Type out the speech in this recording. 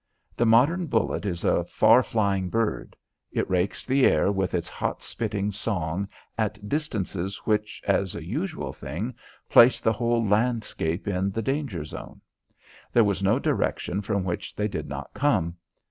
The modern bullet is a far flying bird. It rakes the air with its hot spitting song at distances which, as a usual thing, place the whole landscape in the danger zone. There was no direction from which they did not come.